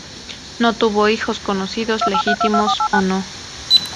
No tuvo hijos conocidos, legítimos o no.